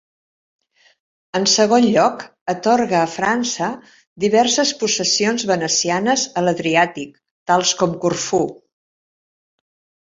En segon lloc, atorga a França diverses possessions venecianes a l'Adriàtic, tals com Corfú.